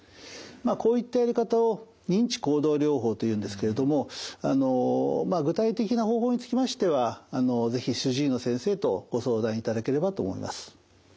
まあこういったやり方をあの具体的な方法につきましては是非主治医の先生とご相談いただければと思います。